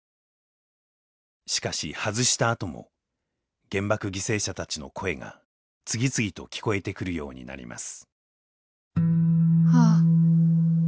しかし外したあとも原爆犠牲者たちの声が次々と聞こえてくるようになります。